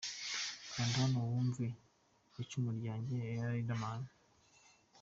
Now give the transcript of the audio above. Kanda hano wumve ‘Icumu Ryanjye’ ya Riderman.